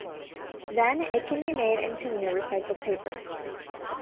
Then it can be made into new recycled paper.